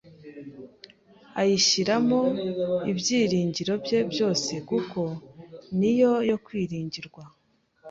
ayishyiramo ibyiringiro bye byose.kuko niyo yokwiringirwa